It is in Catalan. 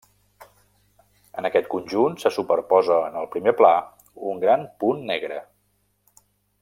En aquest conjunt se superposa en el primer pla un gran punt negre.